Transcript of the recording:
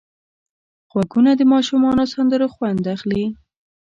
غوږونه د ماشومو سندرو خوند اخلي